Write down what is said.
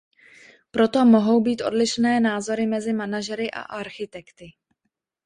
Proto mohou být odlišné názory mezi manažery a architekty.